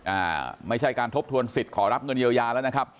อ่าไม่ใช่การทบทวนสิทธิ์ขอรับเงินเยียวยาแล้วนะครับ